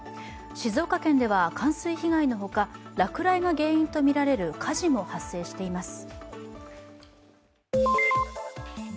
静岡県では、冠水被害のほか落雷が原因とみられる火事も発生しています。